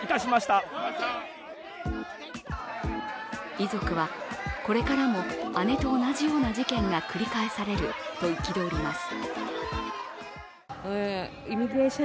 遺族は、これからも姉と同じような事件が繰り返されると憤ります。